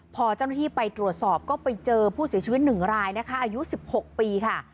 พอเจ้าหน้าที่ไปตรวจสอบก็ไปเจอผู้เสียชีวิต๑รายนะคะอายุ๑๖ปีค่ะ